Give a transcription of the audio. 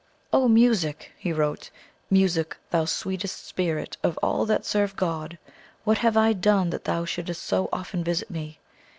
"O Music!" he wrote, "Music, thou Sweetest Spirit of all that serve God, what have I done that thou shouldst so often visit me?